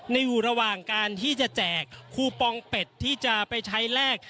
อยู่ระหว่างการที่จะแจกคูปองเป็ดที่จะไปใช้แลก